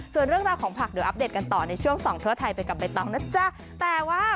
ส่วนเรื่องราวของผักเดี๋ยวอัปเดตกันต่อในช่วงส่องทั่วไทยไปกับใบตองนะจ๊ะแต่ว่า